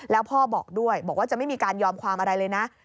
แล้วพ่อบอกด้วยบอกว่าจะไม่มีการยอมความอะไรเลยนะ